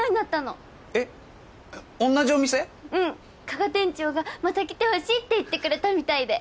加賀店長がまた来てほしいって言ってくれたみたいで。